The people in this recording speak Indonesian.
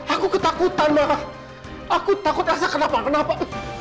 aku ketakutan ma aku takut elsa kenapa kenapa